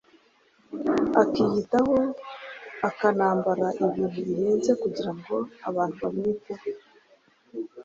akiyitaho akanambara ibintu bihenze kugirango abantu bamwiteho.